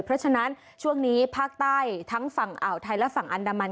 เพราะฉะนั้นช่วงนี้ภาคใต้ทั้งฝั่งอ่าวไทยและฝั่งอันดามัน